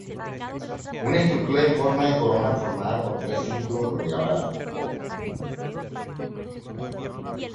Una estructura en forma de corona formada por tres círculos rodeaba la boca.